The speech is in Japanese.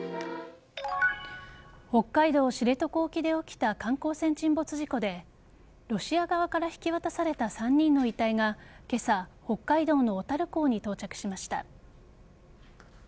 北海道を知床沖で起きた観光船沈没事故でロシア側から引き渡された３人の遺体が今朝北海道の小樽港に到着しました。